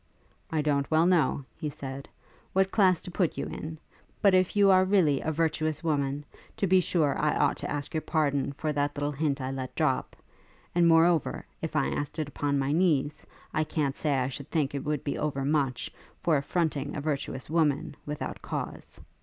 'I don't well know,' he said, 'what class to put you in; but if you are really a virtuous woman, to be sure I ought to ask your pardon for that little hint I let drop; and, moreover, if I asked it upon my knees, I can't say I should think it would be over much, for affronting a virtuous woman, without cause.